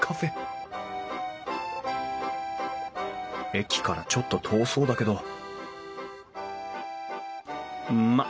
駅からちょっと遠そうだけどまあ